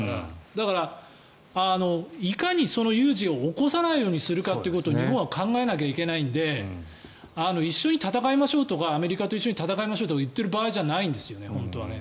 だからいかにその有事を起こさないようにするかって日本は考えなきゃいけないので一緒に戦いましょうとかアメリカと一緒に戦いましょうとか言っている場合じゃないんですよね、本当は。